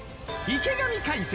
池上解説